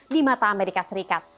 di mana amerika serikat